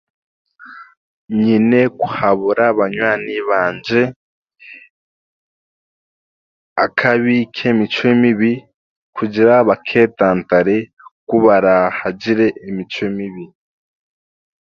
Nyine kuhabura banywani bangye akabi k'emicwe mibi kugira bakeetantare kubarahagire emicwe mibi